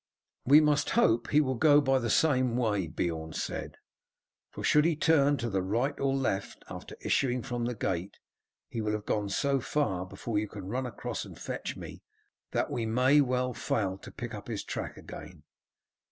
"We must hope he will go by the same way," Beorn said, "for should he turn to the right or left after issuing from the gate he will have gone so far before you can run across and fetch me that we may well fail to pick up his track again.